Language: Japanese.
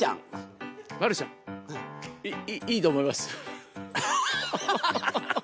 いいいと思います。